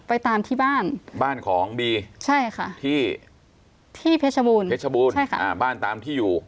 ไปตามที่บ้านบ้านของบีใช่ค่ะที่ที่เพชรบูรณเพชรบูรณใช่ค่ะอ่าบ้านตามที่อยู่